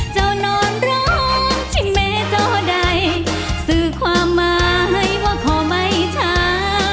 เจ้านอนร้องที่เมเจ้าใดสึกความหมายว่ากลอบไหมท่า